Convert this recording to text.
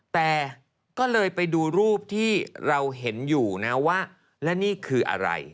แต่ก็เลยไปดูรูปที่เราเห็นอยู่นะว่าและนี่คืออะไร